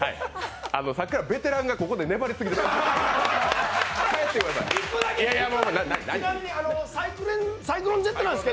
さっきからベテランがここで粘りすぎてたんです。